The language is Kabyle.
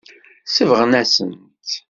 Sebɣen-asen-tt.